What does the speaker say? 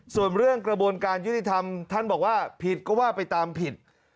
ส่วนเรื่องกระบวนการยุติธรรมท่านบอกว่าผิดก็ว่าไปตามผิด